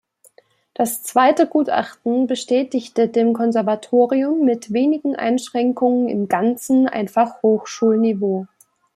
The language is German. Das zweite Gutachten bestätigte dem Konservatorium mit wenigen Einschränkungen im Ganzen ein Fachhochschul-Niveau.